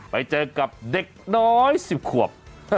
ไปเจอกับเด็กน้อย๑๐ขวบ